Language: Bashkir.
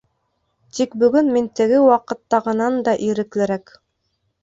Тик бөгөн мин теге ваҡыттағынан да иреклерәк.